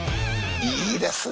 いいですね